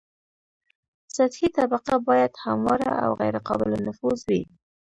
سطحي طبقه باید همواره او غیر قابل نفوذ وي